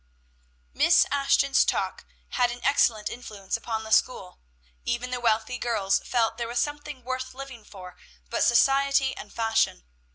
Miss Ashton's talk had an excellent influence upon the school. Even the wealthy girls felt there was something worth living for but society and fashion.